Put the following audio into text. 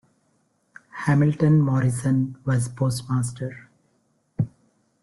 Hamilton Morrison was postmaster.